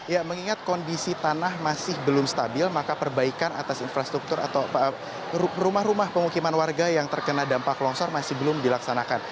ya mengingat kondisi tanah masih belum stabil maka perbaikan atas infrastruktur atau rumah rumah pemukiman warga yang terkena dampak longsor masih belum dilaksanakan